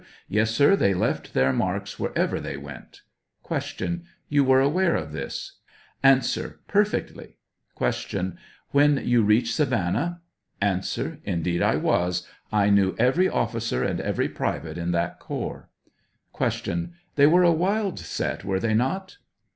Yes, sir, they left their marks wherever they went. Q. You were aware of this ? A. Perfectly. Q. When you reached Savannah ? A. Indeed, I was; I knew every officer and every private in that corps. Q. They were a wild set, were they not